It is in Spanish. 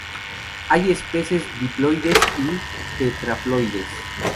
Hay especies diploides y tetraploides.